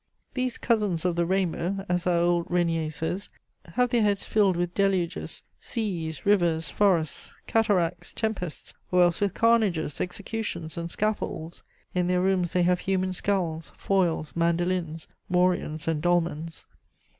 These "cousins of the rainbow," as our old Régnier says, have their heads filled with deluges, seas, rivers, forests, cataracts, tempests, or else with carnages, executions and scaffolds. In their rooms they have human skulls, foils, mandolines, morions, and dolmans.